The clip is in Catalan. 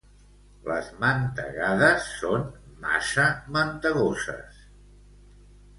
Les mantegades són massa mantegoses.